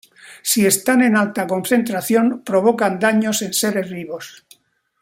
Si están en alta concentración provocan daños en seres vivos.